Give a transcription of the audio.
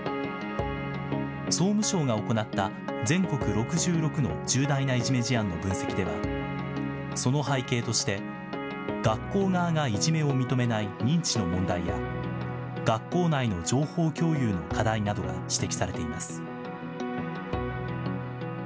総務省が行った全国６６の重大ないじめ事案の分析では、その背景として、学校側がいじめを認めない認知の問題や、学校内の情報共有の課題などが指摘されています。